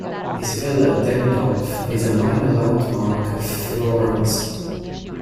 His Villa Demidoff is a minor landmark of Florence.